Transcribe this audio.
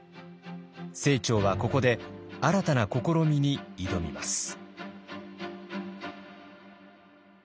清張はここで新たな試みに挑みます。